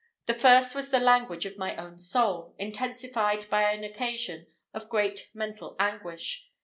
The first was the language of my own soul, intensified by an occasion of great mental anguish.